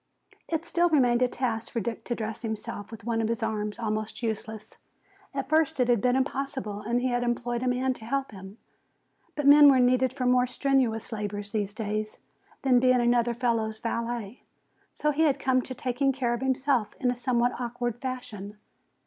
It still remained a task for Dick to dress himself with one of his arms almost useless. At first it had been impossible and he had employed a man to help him. But men were needed for more strenuous labors these days than being another fellow's valet. So he had come to taking care of himself in a somewhat awkward fashion.